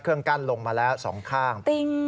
เครื่องกั้นลงมาแล้วสองข้าง